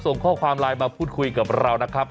ส่งข้อความไลน์มาพูดคุยกับเรานะครับ